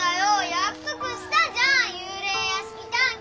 約束したじゃん幽霊屋敷探検！